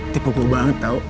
tipu pipu banget tau